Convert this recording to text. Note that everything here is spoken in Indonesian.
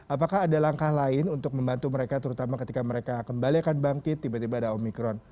apakah ada langkah lain untuk membantu mereka terutama ketika mereka kembali akan bangkit tiba tiba ada omikron